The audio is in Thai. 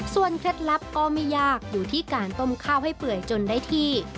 เคล็ดลับก็ไม่ยากอยู่ที่การต้มข้าวให้เปื่อยจนได้ที่